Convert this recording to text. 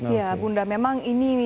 ya bunda memang ini